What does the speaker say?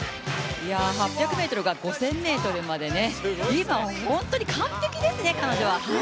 ８００ｍから５０００ｍまで今は完璧ですね、彼女は。